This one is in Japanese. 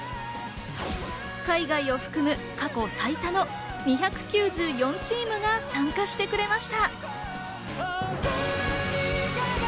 海外を含む過去最多の２９４チームが参加してくれました。